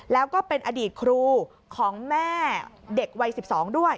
แล้วก็เป็นอดีตครูของแม่เด็กวัย๑๒ด้วย